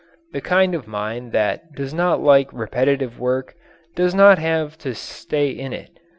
The kind of mind that does not like repetitive work does not have to stay in it.